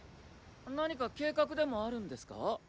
何か計画でもあるんですか？